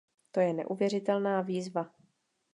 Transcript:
To je neuvěřitelná výzva.